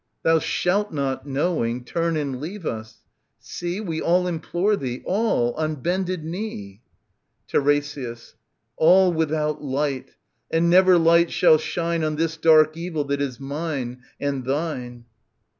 Thou shalt not, knowing, turn and leave ixs ! See, Wc all implore thee, all, on bended knee. TlRESIAS. All without light !— And never light shall shine On this dark evil that is mine ... and thine.